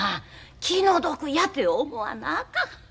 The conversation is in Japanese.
気の毒やて思わなあかん。